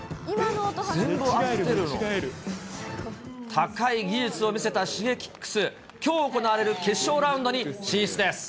高い技術を見せたシゲキックス、きょう行われる決勝ラウンドに進出です。